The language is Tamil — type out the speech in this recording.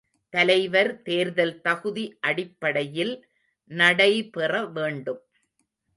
தலைவர் தேர்தல் தகுதி அடிப்படையில் நடைபெற வேண்டும்.